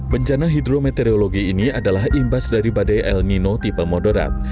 bencana hidrometeorologi ini adalah imbas dari badai el nino tipe moderat